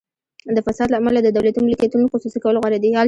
د فساد له امله د دولتي ملکیتونو خصوصي کول غوره دي.